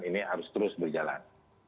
ini harus terus berjalan